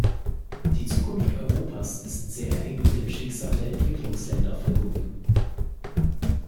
Die Zukunft Europas ist sehr eng mit dem Schicksal der Entwicklungsländer verbunden.